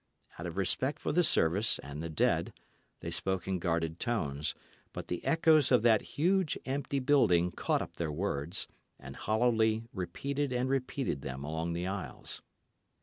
Out of respect for the service and the dead, they spoke in guarded tones; but the echoes of that huge, empty building caught up their words, and hollowly repeated and repeated them along the aisles.